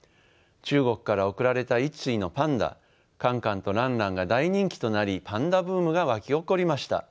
中国から贈られた一対のパンダカンカンとランランが大人気となりパンダブームが沸き起こりました。